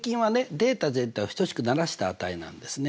データ全体を等しくならした値なんですね。